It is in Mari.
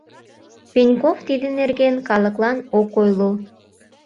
Пеньков тиде нерген калыклан ок ойло.